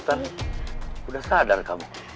sultan sudah sadar kamu